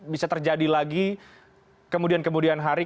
bisa terjadi lagi kemudian kemudian hari